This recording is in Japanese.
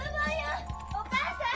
お母さん！